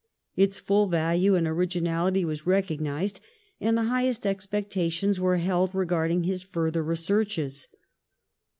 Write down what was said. Its full value and originality were recognised and the highest expectations were held regarding his further researches.